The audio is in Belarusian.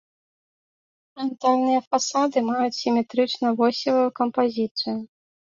Франтальныя фасады маюць сіметрычна-восевую кампазіцыю.